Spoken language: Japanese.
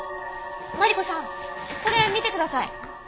マリコさんこれ見てください。